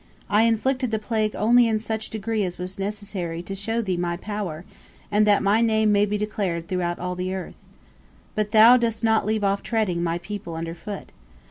I inflicted the plague only in such degree as was necessary to show thee My power, and that My Name may be declared throughout all the earth. But thou dost not leave off treading My people underfoot.